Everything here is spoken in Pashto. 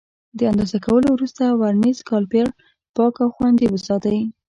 د اندازه کولو وروسته ورنیز کالیپر پاک او خوندي وساتئ.